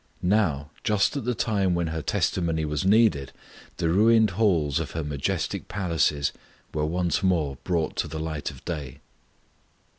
Now, just at the time when her testimony was needed, the ruined halls of her majestic palaces were once more brought to the light of day.